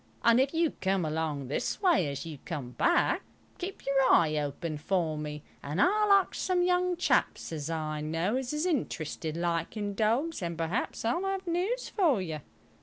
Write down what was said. And if you come along this way as you come back, keep your eye open for me, and I'll arks some young chaps as I know as is interested like in dogs, and perhaps I'll have news for you."